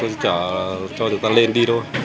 tôi chỉ là cho người ta lên đi thôi